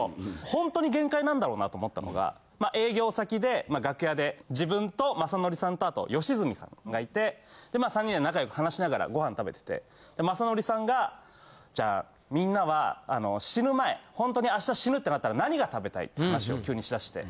ほんとに限界なんだろうなと思ったのが営業先で楽屋で自分と雅紀さんとあと吉住さんがいて３人で仲良く話しながらご飯食べてて雅紀さんがじゃあみんなは死ぬ前ほんとに。って話を急にしだして。